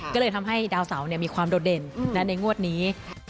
ก็เลยทำให้ดาวเสามีความโดดเด่นในงวดนี้